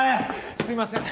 すいません。